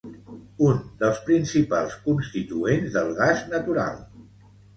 Un dels principals constituents del gas natural.